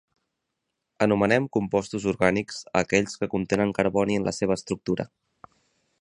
Anomenem compostos orgànics a aquells que contenen carboni en la seva estructura.